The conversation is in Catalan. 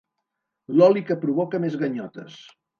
L'oli que provoca més ganyotes.